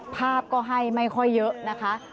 ภาพก็ให้ไม่ค่อยเยอะนะคะ